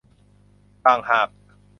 ต่างหาก